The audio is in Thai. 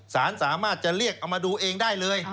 สารสามารถจะเรียกเอามาดูเองได้เลย